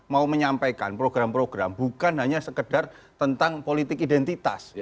mau menyampaikan program program bukan hanya sekedar tentang politik identitas